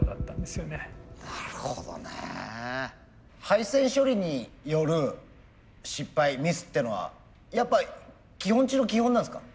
配線処理による失敗ミスっていうのはやっぱり基本中の基本なんですか？